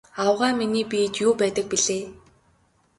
Авгай миний биед юу байдаг билээ?